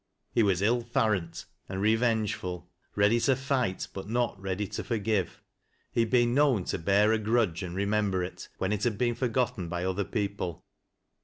He was " ill far rant," and rerengeful, — ready to fight, but not ready to forgive. He had been known to bear a grudge, and remember it, when it had been forgotten by other people.